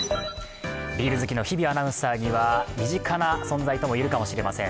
ビール好きの日々アナウンサーには身近な存在といえるかもしれません。